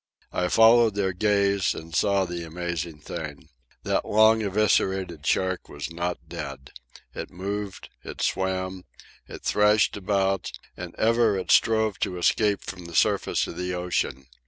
I followed their gaze and saw the amazing thing. That long eviscerated shark was not dead. It moved, it swam, it thrashed about, and ever it strove to escape from the surface of the ocean.